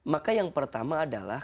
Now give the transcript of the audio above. maka yang pertama adalah